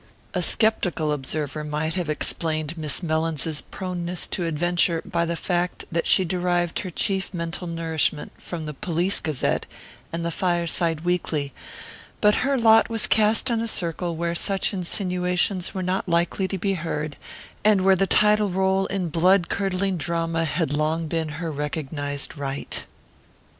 A sceptical observer might have explained Miss Mellins's proneness to adventure by the fact that she derived her chief mental nourishment from the Police Gazette and the Fireside Weekly; but her lot was cast in a circle where such insinuations were not likely to be heard, and where the title role in blood curdling drama had long been her recognized right.